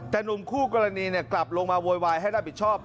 แต่หนุ่มคู่กรณีกลับลงมาโวยวายให้รับผิดชอบ